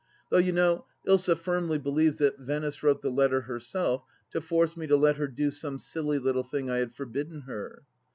Though, you know, Ilsa firmly be lieves that Venice wrote the letter herself to force me to let her do some sUly little thing I had forbidden her.